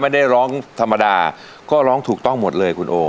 ไม่ได้ร้องธรรมดาก็ร้องถูกต้องหมดเลยคุณโอ